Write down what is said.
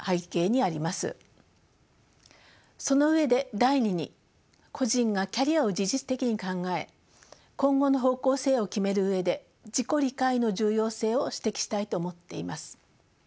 その上で第２に個人がキャリアを自律的に考え今後の方向性を決める上で自己理解の重要性を指摘したいと思っています。